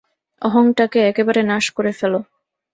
অহংটাকে একেবারে নাশ করে ফেল।